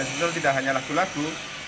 sebenarnya tidak hanya lagu lagu